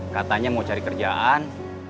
katanya mau cari kerjaan